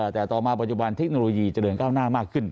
แต่ต่อมาปัจจุบันเทคโนโลยีเจริญก้าวหน้ามากขึ้น